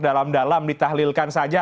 dalam dalam ditahlilkan saja